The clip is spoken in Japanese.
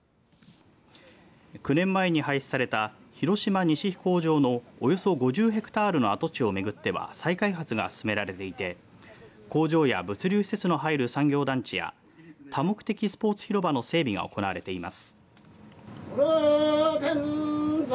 ９年前に廃止された広島西飛行場のおよそ５０ヘクタールの跡地をめぐっては再開発が進められていて工場や物流施設の入る産業団地や多目的スポーツ広場の整備が行われてます。